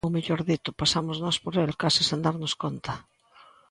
Ou mellor dito, pasamos nós por el, case sen darnos conta.